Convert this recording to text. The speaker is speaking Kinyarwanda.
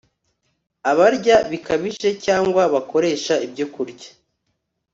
Abarya bikabije cyangwa bakoresha ibyokurya